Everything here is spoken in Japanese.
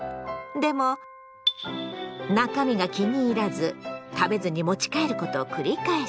でも中身が気に入らず食べずに持ち帰ることを繰り返した。